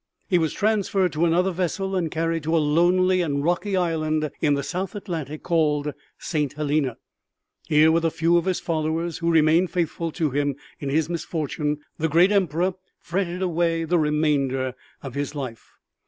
He was transferred to another vessel and carried to a lonely and rocky island in the south Atlantic called St. Helena. Here, with a few of his followers who remained faithful to him in his misfortune, the great Emperor fretted away the remainder of his life.